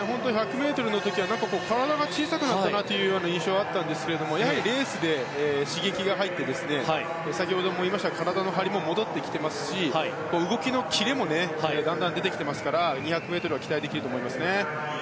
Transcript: １００ｍの時は体が小さくなったなという印象があったんですがやはりレースで刺激が入って先ほども言いましたが体のハリも戻ってますし動きのキレもだんだん出てきていますから２００ｍは期待できると思いますね。